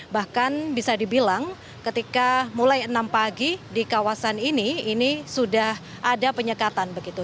bahkan bisa dibilang ketika mulai enam pagi di kawasan ini ini sudah ada penyekatan begitu